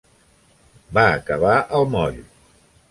Va acabar al moll.